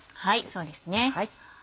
そうですね。